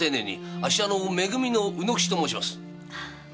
あっしはめ組の卯之吉と申します。